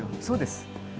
そうです。